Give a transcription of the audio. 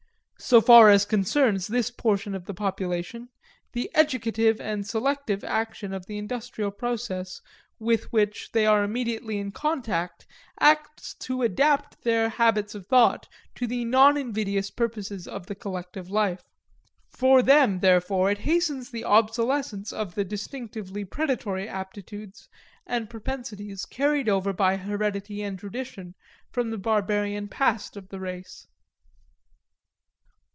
So far as concerns this portion of the population, the educative and selective action of the industrial process with which they are immediately in contact acts to adapt their habits of thought to the non invidious purposes of the collective life. For them, therefore, it hastens the obsolescence of the distinctively predatory aptitudes and propensities carried over by heredity and tradition from the barbarian past of the race.